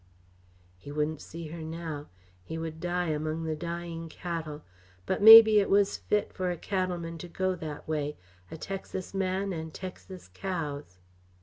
He wouldn't see her now; he would die among dying cattle, but maybe it was fit for a cattleman to go that way a Texas man and Texas cows.